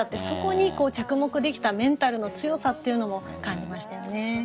そこに着目できたメンタルの強さっていうのも感じましたよね。